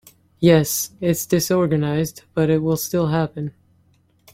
Yes, it’s disorganized but it will still happen.